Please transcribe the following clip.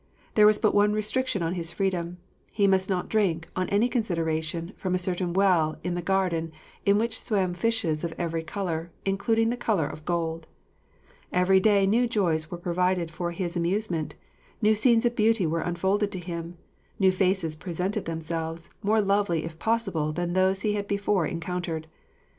There was but one restriction on his freedom: he must not drink, on any consideration, from a certain well in the garden, in which swam fishes of every colour, including the colour of gold. Each day new joys were provided for his amusement, new scenes of beauty were unfolded to him, new faces presented themselves, more lovely if possible than those he had before encountered.